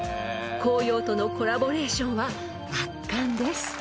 ［紅葉とのコラボレーションは圧巻です］